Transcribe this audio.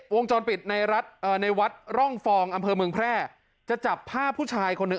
วงจรปิดในวัดร่องฟองอำเภอเมืองแพร่จะจับภาพผู้ชายคนหนึ่ง